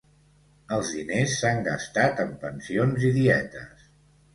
Els diners s'han gastat en pensions i dietes